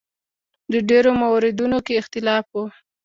ډېرو موردونو کې اختلاف و.